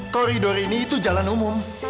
koridor ini itu jalan umum